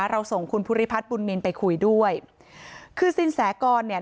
เราส่งคุณภูริพัฒน์บุญนินไปคุยด้วยคือสินแสกรเนี่ย